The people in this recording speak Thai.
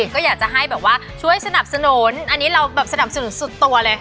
ก็อยากจะให้ช่วยสนับสนุนอันนี้แบบเราสนับสนุนสุดตัวเลย